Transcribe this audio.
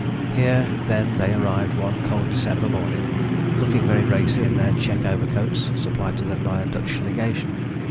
Here then they arrived one cold December morning, looking very racy in their check overcoats, supplied to them by the Dutch Legation.